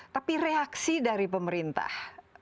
tapi reaksi dari pemerintah